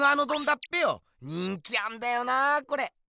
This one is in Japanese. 人気あんだよなぁこれ！